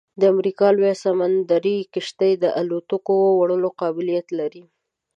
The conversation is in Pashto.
د امریکا لویه سمندري کشتۍ د الوتکو وړلو قابلیت لري